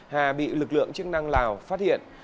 hà bị lực lượng chức năng lào phát hiện